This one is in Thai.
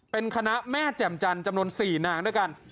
เป็นคณะแม่แจ่มจันทร์จำนวน๔นางด้วยกัน